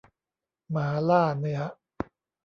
หมาล่าเนื้อ